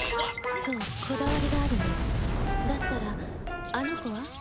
そうこだわりがあるのねだったらあの子は？